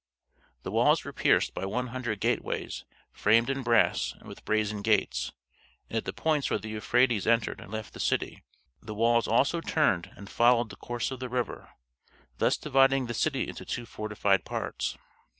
The walls were pierced by one hundred gate ways framed in brass and with brazen gates, and at the points where the Euphrates entered and left the city the walls also turned and followed the course of the river, thus dividing the city into two fortified parts.